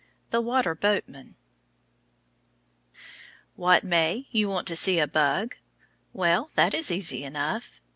THE WATER BOATMAN What, May; you want to see a bug? Well, that is easy enough.